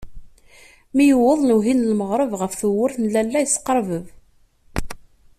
Mi yewweḍ lewhi n lmeɣreb, ɣef tewwurt n lalla yesqerbeb.